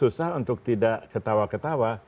untuk tidak ketawa ketawa